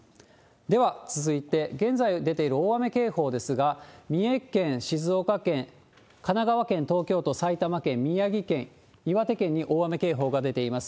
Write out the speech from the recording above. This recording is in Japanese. では、続いて現在出ている大雨警報ですが、三重県、静岡県、神奈川県、東京都、埼玉県、宮城県、岩手県に大雨警報が出ています。